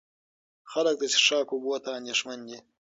خلک د څښاک اوبو ته اندېښمن دي.